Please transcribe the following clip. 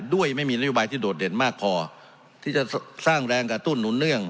ไม่มีนโยบายที่โดดเด่นมากพอที่จะสร้างแรงกระตุ้นหนุนเนื่อง